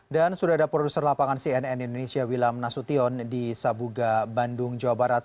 dan sudah ada produser lapangan cnn indonesia wilam nasution di sabuga bandung jawa barat